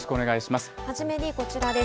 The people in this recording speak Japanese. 初めにこちらです。